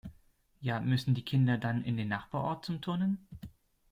Ja müssen die Kinder dann in den Nachbarort zum Turnen?